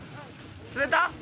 釣れた？